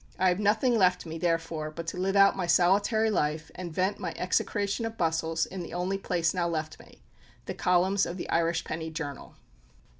I have nothing left me, therefore, but to live out my solitary life, and vent my execration of bustles in the only place now left me the columns of the Irish Penny Journal.